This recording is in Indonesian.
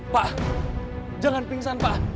pak jangan pingsan pak